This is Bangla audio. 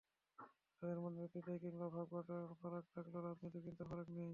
তাদের মধ্যে নেতৃত্বের কিংবা ভাগ–বাঁটোয়ারার ফারাক থাকলেও রাজনৈতিক চিন্তার ফারাক নেই।